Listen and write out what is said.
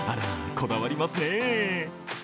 こだわりますね。